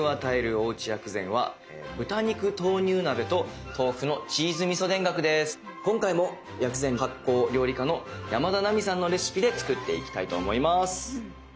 おうち薬膳は今回も薬膳・発酵料理家の山田奈美さんのレシピで作っていきたいと思います。